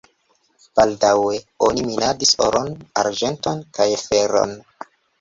Baldaŭe oni minadis oron, arĝenton kaj feron.